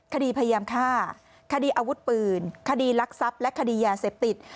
คดีพยายามฆ่าคดีอาวุธปืนคดีลักทรัพย์และคดียาเสพติด